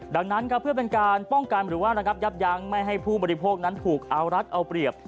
ดังนั้นครับเพื่อเป็นการป้องกันหรือว่าระงับยับยั้งไม่ให้ผู้บริโภคนั้นถูกเอารัดเอาเปรียบ